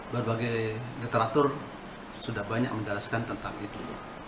berbagai literatur sudah banyak menjelaskan tentang itu